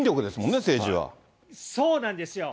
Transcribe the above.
そうなんですよ。